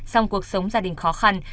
sau cuộc sống gia đình khó khăn